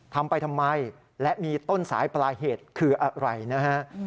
ทำไปทำไมและมีต้นสายปลายเหตุคืออะไรนะฮะ